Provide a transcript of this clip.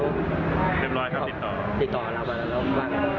เรียบร้อยเขาติดต่อ